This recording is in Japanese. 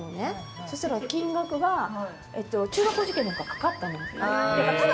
そうしたら金額が中学校受験のほうがかかったの。